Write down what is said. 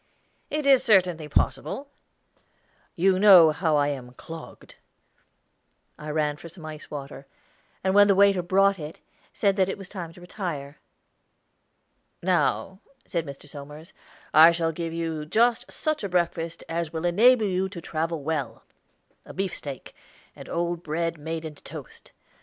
"It is certainly possible." "You know how I am clogged." I rang for some ice water, and when the waiter brought it, said that it was time to retire. "Now," said Mr. Somers, "I shall give you just such a breakfast as will enable you to travel well a beefsteak, and old bread made into toast.